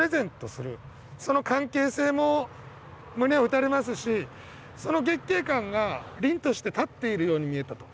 その関係性も胸を打たれますしその月桂冠が凛として立っているように見えたと。